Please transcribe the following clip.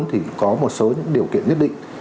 thì có một số những điều kiện nhất định